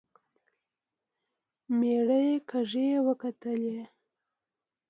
مېړه يې کږې وکتلې.